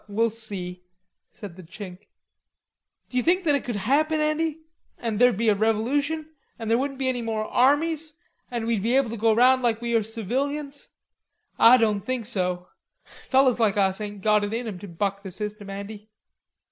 "We'll see," said the Chink. "D'you think it could happen, Andy, that there'd be a revolution, an' there wouldn't be any more armies, an' we'd be able to go round like we are civilians? Ah doan think so. Fellers like us ain't got it in 'em to buck the system, Andy."